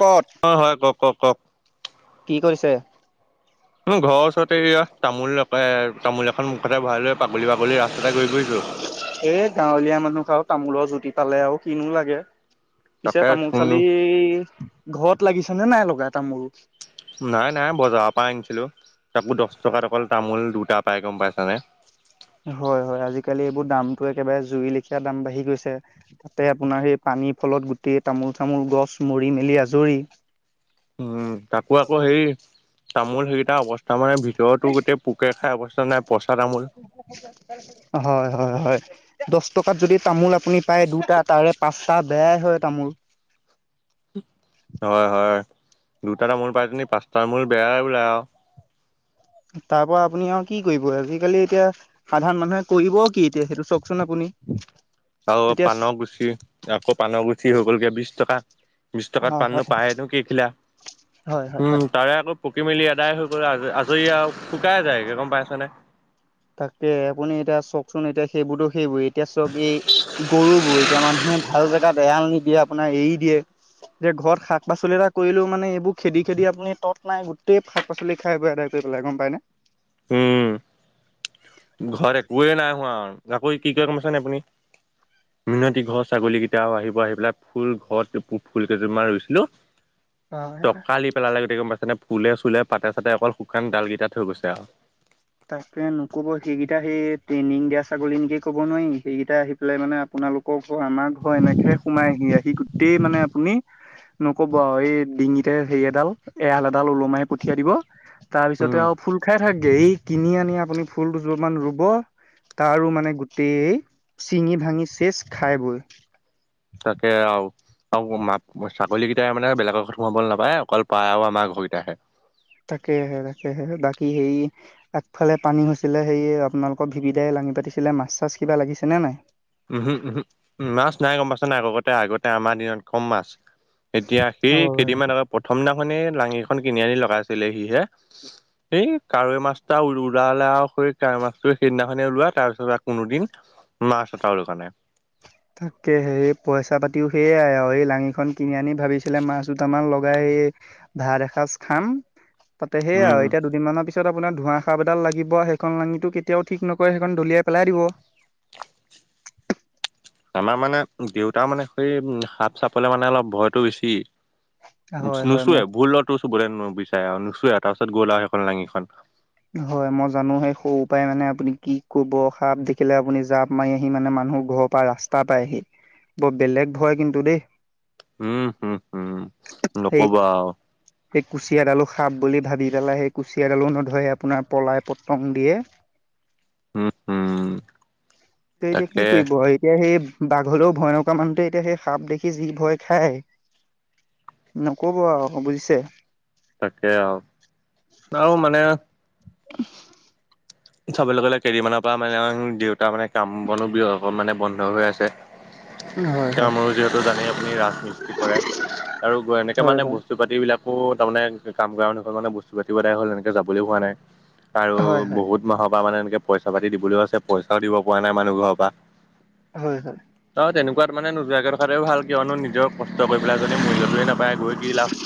ক'ত? অঁ হয় কওঁক কওঁক কওঁক। কি কৰিছে? উম, ঘৰৰ ওচৰতে এইয়া তামোল এ তামোল এখন মুখতে ভয়াই লৈ পাগলী পাগলী ৰাস্তা এ গাঁৱলীয়া মানুহক আও তামোলৰ জুতি পালে আৰু কিনো লাগে! পিছে তাকে তামোল চোন চালি, ঘৰত লাগিছেনে নাই লগা তামোল? নাই, নাই বজাৰৰ পৰা আনিছিলো। তাকো দচ টকা অকল তামোল দুটা পাই, গম পাইছানে? হয়-হয়। আজিকালি এইবোৰ দামতো একেবাৰে জুই লেখীয়া দাম বাঢ়ি গৈছে। তাতে আপোনাৰ সেই পানীৰ ফলত গোটেই তামোল চামোল গছ মৰি মেলি আজৰি। উম, তাকো আকৌ হেৰি তামোল সেইকেইটা অৱস্থা মানে ভিতৰতো গোটেই পোকে খাই অৱস্থা নাই পচা তামোল। হয়, হয়, হয় দছ টকাত যদি তামোল আপুনি পাই দুটা। তাৰে পাচটা বেয়াই হয় তামোল। হয় হয় দুটা তামুল পাই তেি পাঁচটাৰ মূল বেয়াই বওলাই আৰু। তাৰ পৰা আপুনি আৰু কি কৰিব আজিকালি এতিয়া। সাধাৰণ মানুহে কৰিব কি এতিয়া সেইটো চাওকচোন আপুনি। আৰু এতিয়া পাানৰ গুছি আকৌ পাানৰ গুচি হৈ গ'লগে বিশ টকা। বিশ টকাত হয় হয় পাননো হয় পায়েনো কেখিলা হয় হয়। উম, তাৰে আকৌ। পকি মেলি আদাই হৈ গল আজৰি আৰু শুকাই যায় গম পাইছনে। তাকে আপুনি এতিয়া চওঁকচোন এতিয়া সেইবোৰতো, সেইবোৰেই এতিয়া চওঁক এই গৰুবোৰে। এতিয়া মানুহে ভাল জেগাত এৰাল নিদিয়ে, আপোনাৰ এৰি দিয়ে। যে ঘৰত শাক-পাচলি এটা কৰিললেও মানে এইবোৰ খেদি-খেদি আপুনি ত'ত নাই, গোটেই শাক। পাচলি খাই বৈ আদায় কৰি পেলাই, গম পাইনে! উম, ঘৰত একোৱে নাই হোৱা আৰু আকৌ কি কৰে গম পাইছেনে নাই আপুনি, মিনতি ঘৰ ছাগলী কি। তিয়াও আহিব, আহি পেলাই ফুল ঘৰত ফুল কেইযোৰ মান ৰুইছিলো। হয়। টফালি পেলালে আৰু গম পাইছে নে, ফুলে-চুলে পাতে- চাতে অকল শুকান ডালকেইটা থৈ গৈছে আও। তাকে নক'ব। সেইকেইটা সেই ট্ৰেইনিং দিয়া ছাগলী নেকি ক'ব নোৱাৰি, সেইকেইটা আহি পেলাই মানে। আপোনালোকৰ ঘৰ, আমাৰ ঘৰ, এনেকে সোমাই আহি- আহি। টেই মানে আপুনি, নক'ব আৰু এই ডিঙিতে হেৰি এডাল। এৰাল এডাল ওলোমাই পঠিয়াই দিব, তাৰ পিছতে উম, আৰু ফুল খাই থাকগে এই। কিনি আনি আপুনি ফুল দুযোৰ মান ৰুব‌ তাৰো মানে গো। টেই চিঙি ভাঙি চেচ খাই বৈ। তাকে আও। আৰু ম ছাগলীকেইটাই মানে বেলেগৰ ঘৰত সোমাবলৈ নাপায়, অকল পায় আৰু আমাৰ ঘৰকেইতা হে। তাকেহে, তাকেহে। বাকী হেৰি। আগফালে পানী হৈছিলে হেৰি আপোনালোকৰ ভিভিদাই লাঙি পাতিছিলে, মাছ-চাছ কিবা লাগিছেনে নাই। উহু-উহু। উম, মাছ নাই গম পাইছা নাই। আগতে, আগতে আমাৰ দিন। কম মাছ। এতিয়া সেই হয়। কেইদিনমান আকৌ প্ৰথম দিনাখনেই লাঙি। খন কিনি আনি লগাইছিলিলেহি হে। সেই, কাৱৈ মাছটা ওলালে আৰু সেই কাৱৈ মাছটো সেইদিনাখনে ওলোৱা, তাৰপিছত কোনোদিন। মাছ এটাও লগা নাই। তাকেহে‌ হে পইচা পাতিও সেয়াই আৰু এই লাঙিখন কিনি আনি ভাবিছিলে, মাছ দুটামান লগাই এ ভাত এসাঁজ খাম। তাতে সেইয়া আৰু উম। এতিয়া দুদিনমানানৰ পিছত আপোনাৰ ধোৰা সাপ এডাল লাগিব, সেইখন লাঙিটো কেতিয়াও ঠিক নকৰে, সেইখন দলিয়াই। পেলাই দিব। আমাৰ মানে দেউতা মানে, সেই সাপ-চাপলৈ মানে অলপ ভয়টো বেছি। হয় হয় মই নোচোৱে, ভুলতো চোৱলে নুবিচাৰে আৰু নোচোৱে, তাৰপিছত গ'ল আৰু সেইখন লাঙিখন। হয়। মই জানো, সেই সৰু পাই মানে আপুনি কি কৰিব, সাপ দেখিলে আপুনি জাপ মাৰি আহি মানে মানুহৰ ঘৰ। পা ৰাস্তা পাইহি, বৰ বেলেগ ভয় কিন্তু দেই। উম, হুম- হুম সেই নকব আও। সেই কুচিয়াডালো সাপ বুলি ভাবি পেলাই, সেই কুচিয়াডালো নধৰে আপোনাৰ পলাই পতং দিয়ে। উম, উম। তে এতিয়া কি কৰিব, এতিয়া সেই বাঘলৈও ভয় নকৰা মানুহতে এতিয়া সেই সাপ দেখি যি ভয় খায়। নক'ব আও বুজিছে। তাকে আও, আও মানে। চাবলৈ গ'লে কেইদিন মানৰ পৰা মানে দেউতা মানে কাম বনো বি অকন মানে বন্ধ হৈ আছে। হয় কিয় হয় ময়ো যিহেতু জানেই আপুনি ৰাজমিস্তি কৰে আৰু এনেকে হয় মানে হয় বস্তু [unintelligible] পাতিবিলাকো তাৰমানে কাম কৰা মানুহৰ মানে বস্তু পাতি এদায় হ'ল, এনেকে যাবলৈ হোৱা নাই। আৰু হয় হয় হয় বহুত মাহৰ পৰা মানে এনেকে পইচা পাতি দিবলৈও আছে, পইচাও দিব পৰা নাই মানুহ ঘৰৰ পৰা। হয় হয়। অ' তেনেকোৱাত মানে নোযোৱাকে থকাটোৱে ভাল কিয়নো নিজৰ কষ্ট কৰি পেলাই যদি মুল্যটোয়ে নাপায়, গৈ কি লাভ।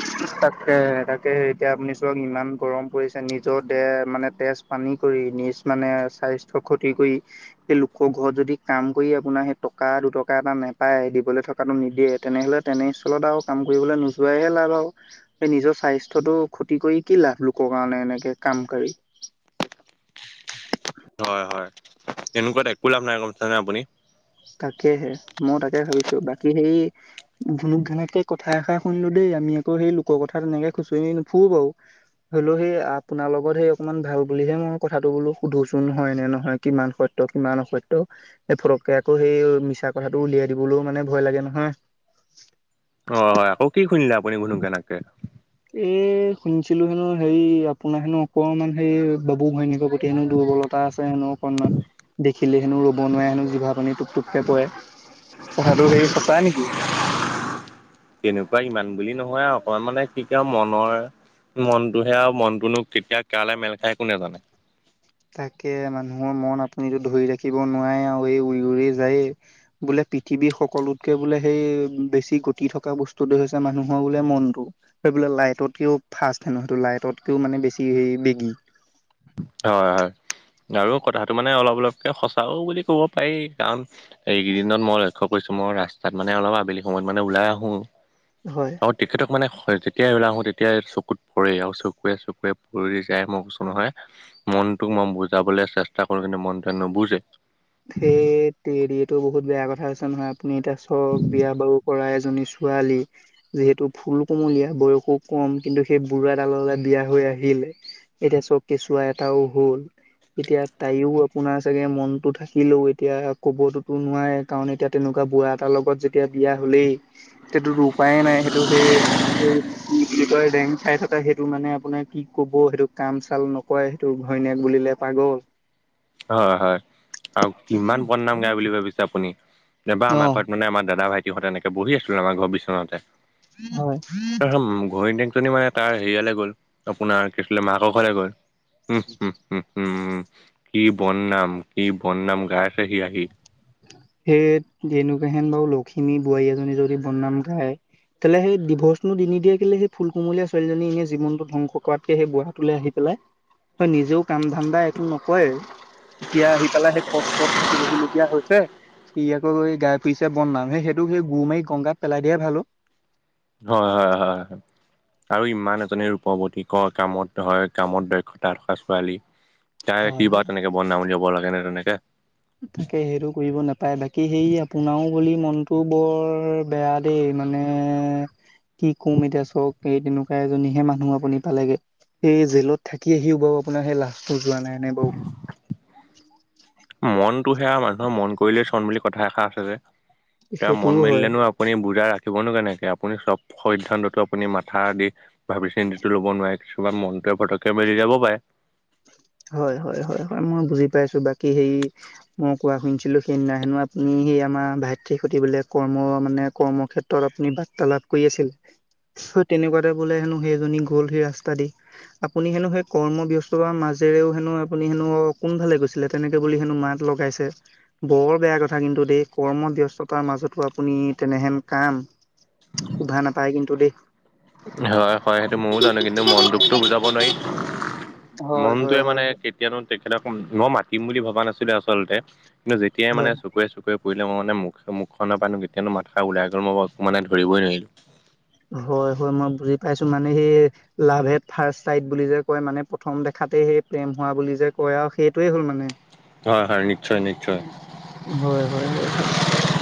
কে তাকে, হে এতিয়া আপুনি চাওক ইমান গৰম পৰিছে, নিজৰ দেহ মানে তেজ পানী কৰি, নিজ মানে স্বাস্থ্য ক্ষতি কৰি সেই লোকৰ ঘৰত যদি কাম কৰি আপোনাৰ সেই টকা দুটকা এটা নেপায়, দিবলৈ থকা কাটো নিদিয়ে, তেনেহ'লে তেনেস্থলত আৰু কাম কৰিবলৈ নো যোৱাই হে লাভ আৰু। এই নিজৰ স্বাস্থ্যটো ক্ষতি কৰি কি লাভ, লোকৰ কাৰণে এনেকে কাম কৰি। হয়, হয়। এনেকুৱাত একো লাভ নাই, গম পাইছানে আপুনি? তাকেহে, মই তাকে ভাবিছোঁ। বাকী সেই ঘুনুক ঘেনেককে কথা এষাৰ শুনিলোঁ দেই, আমি আকৌ সেই লোকৰ কথা তেনেকে খুচৰি নুফুৰো বাৰু। হ'লেও সেই আপোনাৰ লগত সেই অকমান ভাল বুলিহে মই কথাটো বোলো সুধোচোন হয় নে নহয়, কিমান সত ত্য, কিমান অসত্য সেই ফটকে আকৌ সেই মিছা কথাটো উলিয়াই দিবলৈও মানে ভয় লাগে নহয়। অ' হয়, আকৌ কি শুনিলে আপুনি ঘুনুক ঘানাককে? এ, শুনিছিলোঁ হেনো হেৰি আপোনাৰ হেনো অকমান হেৰি ববু ভৈনীয়েকৰ প্ৰতি হেনো দুৰ্বলতা আছ ছে হেনো অকনমান, দেখিলে হেনো ৰু বনোৱাই হেনো জিভা পানী টোপ টোপকে পৰে, কথাটো হেৰি সঁচা নেকি? তেনেকুৱা ইমান বুলি নহয় আৰু অকনমান মানে কিটা মনৰ মনটোহে, আৰু মনটোনো কেতিয়া কালে মেল খাই কোনে জানে। তাকে মানুহৰ মন আপুনিটো ধৰি ৰাখিব নোৱাৰে, আৰু এই উৰি উৰি যায়ে। বোলে পৃথিৱীৰ সকলোতকে বোলে সেই বেছি গতি থকা বস্তুটোৱে হৈছে মানুহৰ বোলে মনটো। সে বোলে লাইটতকেও ফাষ্ট হেনো, সেইটো লাইটতকেও মানে বেছি হে বেগী। হয় হয়, আৰু কথাটো মানে অলপ অলপকে সঁচাও বুলি ক'ব পাৰি। কাৰণ এইকেইদিনত মই লক্ষ্য কৰিছোঁ, মই ৰাস্তাত মানে অলপ আবেলি সময়ত মানে ওলাই আহোঁ হয়। আৰু তেখেতক মানে হয় যেতিয়াই ওলাই আহোঁ তেতিয়াই চকুত পৰেই আৰু চকুৱে চকুৱে পৰি যায় মই কৈছোঁ নহয়। মনটোক মই বুজাবলৈ চেষ্টা কৰোঁ কিন্তু মনটোৱে নুবুজে। ধেত তেৰি এইটো বহুত বেয়া কথা হৈছে নহয়, আপুনি এতিয়া চব বিয়া বাৰু কৰাই এজনী ছো পোৱালি। যিহেতু ফুল কোমলীয়া, বয়সো কম কিন্তু সেই বুঢ়া ডাললে বিয়া হৈ আহিল। এতিয়া চব কেঁচুৱা এটাও হ'ল, এতিয়া তাইও আপোনাৰ চাগে মনটো থা কিলো এতিয়া কবতোতো নোৱাৰে কাৰণ এতিয়া তেনেকুৱা বুঢ়া এটাৰ লগত যেতিয়া বিয়া হ'লেই। সেইটোটো উপায়ে নাই, সেইটো সেই এই কি বুলি কয়, ডেং খাই থকা সেইটো মানে আপোনাৰ কি ক'ব সেইটো কাম চাল নক কয় সেইটো ঘৈণীয়েক বুলিলে পাগল। অ' হয় আৰু কিমান বদনাম গায় বুলি ভাবিছে আপুনি। নাইবা অ আমাৰ ঘৰত মানে আমাৰ দাদা ভাইটিহঁতে এনেকে বহি আছিলোঁ আমাৰ ঘৰত বিচনাতে হয় তাৰচোন ঘৈনিয়েক জনী মানে তাৰ হেৰিয়ালে গ'ল, আপোনাৰ কেঁচুৱালৈ মাকৰ ঘৰলৈ গ'ল কি বদনাম, কি বদনাম গাইছে সি আহি। সেইত তেনেকােৱাহেন বাৰু লখিমী বোৱাৰী এজনীৰ যদি বদনাম গায় তেলে সেই ডিভৰ্চটো নিদিয়ে কেলে, সেই ফুল কুমলীয়া ছোৱালীজনী এনে জীৱনটো ধ্বংস কৰাতকে, সেই বুঢ়াটোলে আহি পেলাই। হয় নিজেও কাম ধান্দা একো নকৰে। এতিয়া আহি পেলাই সেই কষ্টত থাকিবহিলগীয়া হৈছে। সি আকৌ গাই পুৰিছে বনাম সেইোক সেই গুৰ মাৰি গংগাত পেলাই দিয়াই ভাল অ। হয় হয় হয় হয়। আৰু ইমান এজনী ৰূপৱৰতী ক কামত হয় কামত দক্ষতা থকা ছোৱালী। তাই সি হয় বাও হয় তেনেকে বন নাম ওলিয়াব লাগেনে তেনেকে। তাকে সেইটো কৰিব নাপায় বাকী সেই আপোনাৰও বুলি মনটো বৰ। বেয়া দেই মানে। কি কম এতিয়া চক এই তেনেকুৱা এজনীহে মানুহ আপুনি পালেগে। সেই জেলত থাকি আহিও বাৰু আপোনাৰ সেই লাষ্টটো যোৱা নাই নে বাৰু। মনটো সে আও, মানুহৰ মন কৰিলেই চন বুলি কথা এষা আছে যে। এ সেইটোও হয়। মেলিলেনো আপুনি বুজাই ৰাখিবনো কেনেকে আপুনি চব সিদ্ধান্ততো আপুনি মাথা দি। ভাবি চিন্তি ল'ব নোৱাৰে কিছুমান মনটোৱে পটককে মেলি যাব পাৰে। হয় হয় হয় হয়, মই বুজি পাইছো বাকী হেৰি। মই কোৱা শুনিছিলো সেইদিনা হেনো আপুনি সেই আমাৰ ভাইটিক সুধি বোলে কৰ্ম মানে কৰ্ম ক্ষেত। তত আপুনি বাৰ্তালাপ কৰি আছিল তেনেকুৱাতে বোলে হেনো সেইজনী গ'ল সেই ৰাস্তা দি। আপুনি হেনো সেই কৰ্ম ব্যস্ততাৰ মাজ। তেৰেও হেনো আপুনি হেনো কোন ফালে গৈছিলে তেনেকে বুলি হেনো মাত লগাইছে। বৰ বেয়া কথা কিন্তু দেই কৰ্মব্যস্ততাৰ মাজতো আপুনি তেনেহেন কাম। শুভা নাপায় কিন্তু দেই। হয় হয়, সেইটো মইও জানো কিন্তু মনটোকটো বুজাব নোৱাৰি। হয় হয় মনটোৱে হয় মানে। [unintelligible] তেখেতক মই মাতিম বুলি ভবা নাছিলে আচলতে কিন্তু যেতিয়াই মানে। হয়। [unintelligible] পৰিলে মই মানে মুখখনৰ পানো কেতিয়ানো মাতখাৰ ওলাই গল মই মানে ধৰিবই নোৱাৰিলো। হয় হয় মই বুজি পাইছো মানে সি। লাভ এট ফাৰ্ষ্ট চাইট বুলি যে কয় মানে প্ৰথম দেখাতেই সেই প্ৰেম হোৱা বুলি যে কয় আৰু সেইটোৱে হ'ল মানে। হয় হয় নিশ্চয় নিশ্চয়। হয় হয় হয় হয়।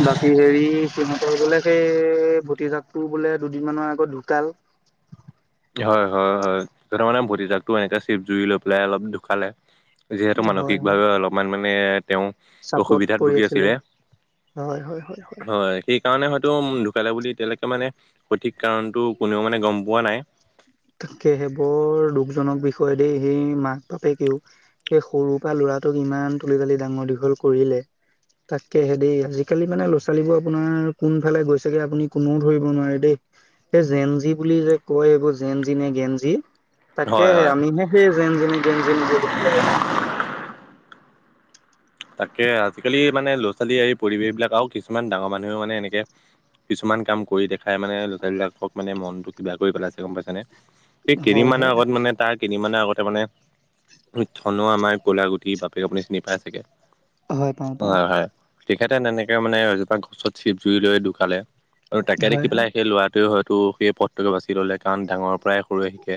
বাকী হেৰি সিহঁতৰ বোলে সেই ভতিজাকটো বোলে দুদিন মানৰ আগত ঢুকাল। হয় হয় হয় ত' মানে ভতিজাকো এনে চিপ জুই লৈ পেলাই অলপ ঢুকালে। যিহেতু হয় হয়। মানসিকভাৱে অলপমান মানে তেওঁ। চাপত অসুবিধাত পৰি ভুগি আছিলে, হয়। সেইকাৰণে হয়তো ঢুকালে বুলি এতিয়ালৈকে মানে সঠিক কাৰণটো কোনেও মানে গম পোৱা নাই। তাকেহে বৰ দুখজনক বিষয়ে দেই সেই মাক বাপেকেও। সেই সৰু পৰা ল'ৰাটোক ইমান তুলি তালি ডাঙৰ দীঘল কৰিলে। তাককেহে দেই আজিকালি মানে লৰা ছোৱালীবোৰ আপোনাৰ কোনফালে গৈছেগে আপুনি কোননেও ধৰিব নোৱাৰে দেই। এই জেনজি বুলি যে কয় এইবোৰ। জেন জি নে গেনঞী, তাকে হয় হে হয় আমিহে সেই জেন জি নে গেনঞী নহলো। তাকে আজিকালি মানে ল'ৰা ছোৱালী এই পৰিৱেশ বিলাক আৰু কিছুমান ডাঙৰ মানুহেও মানে এনেকে। কিছুমান কাম কৰি দেখাই মানে ল'ৰালীবলাকক মানে মনতটো কিবা কৰি পেলাইছে গম পাইছানে। সেই হয় কেইদমানৰ হয় আগত মানে তাক। কেইদিনমানৰ আগতে মানে থল আমাৰ ক'লা গুটি বাপেক আপুনি চিনি পাই চাগে। [unintelligible] হয় হয় তেখেতে তেনেকে মানে এজোপা গছত চিপ জুৰি লৈ ঢুকালে। আৰু তাকে হয় দেখি হয়। পেলাই সেই ল'ৰাটোৱে হয়তো সেই পথটোকে বাছি ললে কাৰণ ডাঙৰ পৰাই সৰুয়ে শিকে।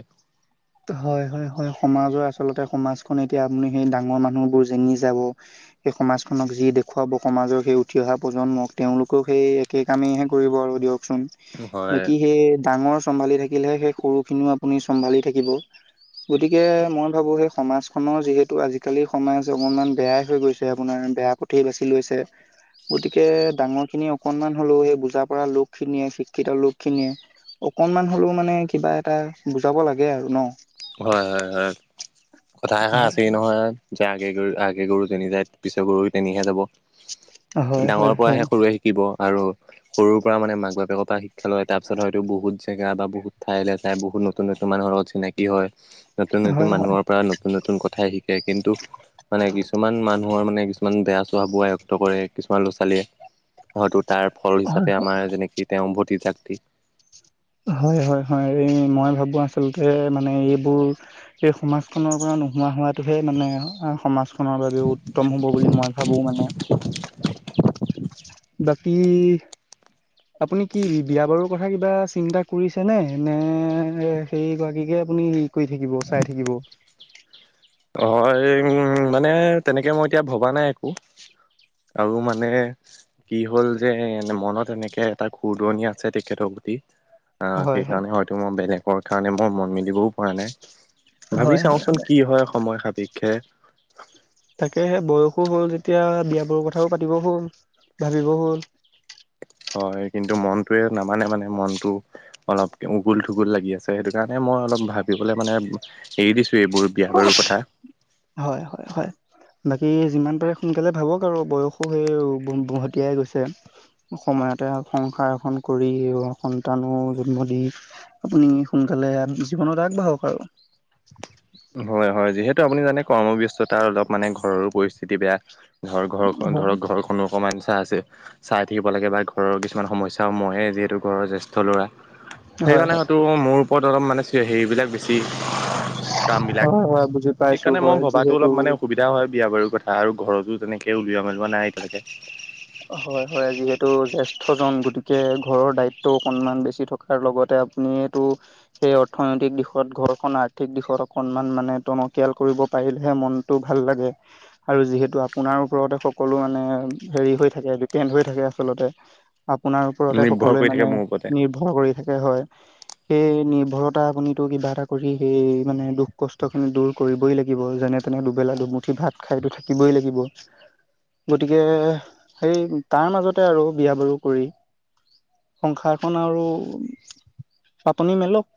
হয় হয় হয়, সমাজৰ আচলতে সমাজখন এতিয়া আপুনি সেই ডাঙৰ মানুহবোৰ যেনি যাব। সেই সমাজখনক যি দেখুৱাব সমাজৰ সেই উঠি অহা প্ৰজন্মক তেওঁলোকেও সেই কেক আমিহে কৰিব আৰু দিয়কচোন। হয় বাকি সেই ডাঙৰ চম্ভালি থাকিলেহে সেই সৰু খিনিও আপুনি চম্ভালি থাকিব। গতিকে মই ভাবো সেই সমাজখনৰ যিহেতু আজিকালি সমাজ অকনমান বেয়াই হৈ গৈছে আপোনাৰ বেয়াটো উঠি বাচি লৈছে। গতিকে ডাঙৰ খিনি অকনমান হ'লেও সেই বুজা পৰা লোক খিনিয়ে শিক্ষিত লোক খিনিয়ে অকনমান হলেও মানে কিবা এটা বুজাব লাগে আৰু ন'। হয় হয় হয় কথা এষাৰ হয় আছেই নহয় যে আগে গৰু আগে গৰু যেনি যায় পিছত গৰু তেনিহে যাব হয় ডাঙৰ হয় পৰা আহে সেয়া সৰুৱে শিক শিকিব আৰু সৰুৰ পৰা মানে মাক বাপেকৰ পৰা শিক্ষা লয় তাৰপিছত হয়ত বহুত জেগা বা বহুত ঠাইলৈ যাই বহুত নত নতুন নতুন মানুহৰ লগত চিনাকি হয় নতুন নতুন হয় হয়। মানুহৰ পৰা নতুন নতুন কথা শিকে কিন্তু মানে কিছুমান মানুহৰ মানে কিছুমান বেয়া স্বভাৱো আয়ত্ব কৰে কিছুমান ল'ৰা ছোৱালীয়ে। হয়তো তাৰ ফল হিচাপে আমাৰ যেনেকে তেওঁৰ ভতিজাকটো হয় হয় হয় এই মই ভাবো আচলতে মানে এইবোৰ সেই সমাজখনৰ পৰা নোহোৱা হোৱাটোহে মানে এ সমাজ খনৰ বাবেও উত্তম হ'ব বুলি মই ভাবো মানে [unintelligible] বাকী আপুনি কি বিয়া বাৰুৰ কথা কিবা চিন্তা কৰিছেনে নে এ সেই গৰাকীকে আপুনি নি কৰি থাকিব চাই থাকিব অ এ উম মানে তেনেকে মই এতিয়া ভবা নাই একো আৰু মানে কি হল যে এ মনত এনেকে এটা খুৰদুৱনি আছে তেখেতৰ প্ৰতি আহ হয় হয়। সেইকাৰণে হয়তো মই বেলেগৰ কাৰণে মই মন মেলিবও পৰা নাই ভাবি হয় হয় চাওচোন কি হয় সময় সময় সাপিক্ষে তাকে সেই বয়সো হ'ল যেতিয়া বিয়া বাৰু কথাও পাতিব হ'ল ভাবিব হ'ল হয় কিন্তু মনটোৱে নামানে মানে মনটো অলপ উগুল থুগুল লাগি আছে সেইটো কাৰণে মই অলপ ভাবিবলৈ মানে এৰি দিছো এইবোৰ বিয়া বাৰুৰ কথা হয় হয় হয় বাকী যিমান পাৰে সোনকালে ভাবক আৰু বয়সো সেই ভ ভ ভতিয়াই গৈছে সময়তে সংসাৰ এখন কৰি সন্তানো জন্ম দি আপুনি সোনকালে জীৱনত আগবাঢ়ক আৰু হয় হয় যিহেতু আপুনি জানে কৰ্মব্যস্ততা অলপ মানে ঘৰৰো পৰিস্থিতি বেয়া ধৰ ঘৰ খন ধৰক ঘৰখনো অকমান চা আছে চাই থাকিব লাগে বা ঘৰৰ কিছুমান সমস্যা মইয়ে যিহেতু ঘৰৰ জ্যেষ্ঠ ল'ৰা হয় সেইকাৰণে হয় হয়টো মোৰ ওপৰত অলপ মানে চে হেৰি বিলাক বেছি কাম বিলাক হয় হয় বুজি পাইছো সেইকাৰণে মই হয় ভবাতো অলপ যিহেতু মানে অসুবিধ এতিয়া হয় বিয়া বাৰুৰ কথা আৰু ঘৰতো তেনেকে উলিওৱা মেলোৱা নাই এতিয়ালেকে হয় হয় যিহেতু জ্যেষ্ঠ জন গতিকে ঘৰৰ দায়িত্ব অকনমান বেছি থাক তাৰ লগতে আপুনিটো সেই অৰ্থনৈতিক দিশত ঘৰখন আৰ্থিক দিশত অকণমান মানে টনকিয়াল কৰিব পাৰিলেহে মন মনটো ভাল লাগে আৰু যিহেতু আপোনাৰ ওপৰতে সকলো মানে হেৰি হৈ থাকে ডিপেণ্ড হৈ থাকে আচলতে আপোনাৰ ওপৰতে নিৰ্ভৰ সকলোৱে কৰি মানে থাকে মোৰ ওপৰতে। নিৰ্ভৰ কৰি থাকে হয় সেই নিৰ্ভৰতা আপুনিটো কিবা এটা কৰি সেই মানে দুখ কষ্ট খিনি দূৰ কৰিবই লাগিব যেনে তেনে দুবেলা দুমুঠি ভাত খাইতো থাকিবই লাগিব গতিকে সেই তাৰ মাজতে আৰু বিয়া বাৰু কৰি সংসাৰখন আৰু পাটনি মেলক